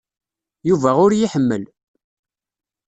Yuba ur iyi-iḥemmel.